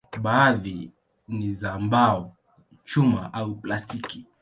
Baadhi ni za mbao, chuma au plastiki.